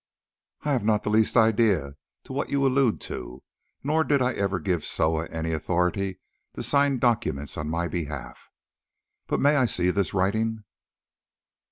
"I have not the least idea to what you allude, nor did I ever give Soa any authority to sign documents on my behalf. But may I see this writing?"